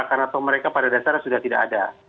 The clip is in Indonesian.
karena mereka pada dasarnya sudah tidak ada